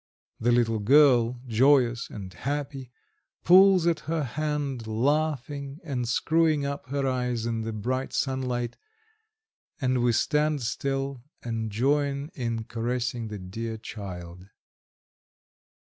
The little girl, joyous and happy, pulls at her hand, laughing and screwing up her eyes in the bright sunlight, and we stand still and join in caressing the dear child.